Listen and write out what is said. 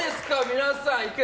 皆さん。